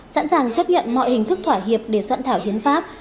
sẵn sàng chấp nhận mọi hình thức thỏa hiệp để soạn thảo hiến pháp